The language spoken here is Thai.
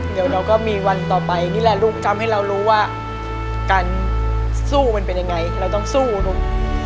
เดี๋ยวเราก็มีวันต่อไปนี่แหละลูกทำให้เรารู้ว่าการสู้มันเป็นยังไงเราต้องสู้ลูก